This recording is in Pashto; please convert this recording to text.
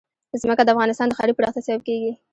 ځمکه د افغانستان د ښاري پراختیا سبب کېږي.